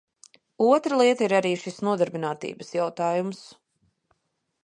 Otra lieta ir arī šis nodarbinātības jautājums.